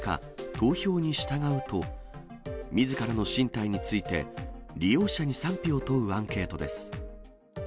投票に従うと、みずからの進退について、利用者に賛否を問うアンケートです。